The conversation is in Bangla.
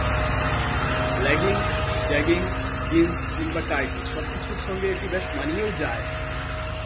লেগিংস, জেগিংস, জিনস কিংবা টাইটস সবকিছুর সঙ্গে এটি বেশ মানিয়েও যায়।